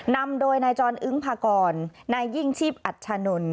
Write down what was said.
นำโดยนายจรอึ้งพากรนายยิ่งชีพอัชชานนท์